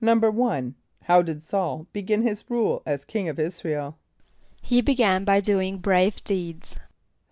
= How did S[a:]ul begin his rule as king of [)I][s+]´ra el? =He began by doing brave deeds.